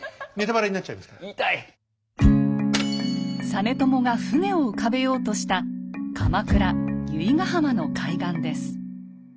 実朝が船を浮かべようとした鎌倉・由比ヶ浜の海岸です。